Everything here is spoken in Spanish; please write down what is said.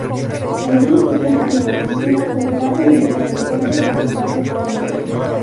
Algunas escenas de la película se rodaron en el Aeropuerto de Ciudad Real.